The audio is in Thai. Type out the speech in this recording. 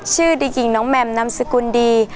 ชื่อดีกิ่งน้องแหม่มน้ำสกุลดี